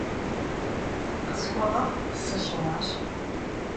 Khısxueğeğu, sışıuaş.